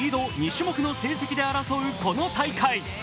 ２種目の成績で争うこの大会。